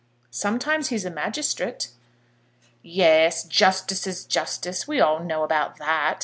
"Sometimes he's a magistrate." "Yes, justices' justice! we know all about that.